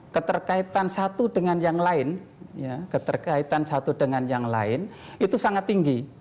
keterkaitan satu dengan yang lain itu sangat tinggi